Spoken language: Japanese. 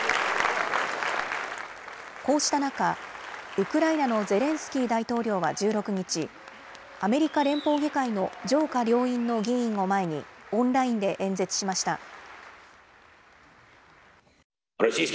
こうした中、ウクライナのゼレンスキー大統領は１６日、アメリカ連邦議会の上下両院の議員を前にオンラインで演説しました。